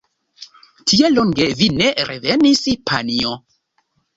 Tiel longe vi ne revenis, panjo!